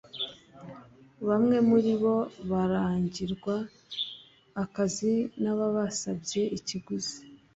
Bamwe muri bo barangirwa akazi n’ababasabye ikiguzi